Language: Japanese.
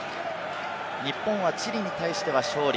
日本はチリに対しては勝利。